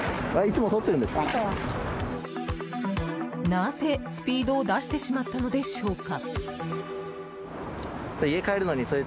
なぜ、スピードを出してしまったのでしょうか。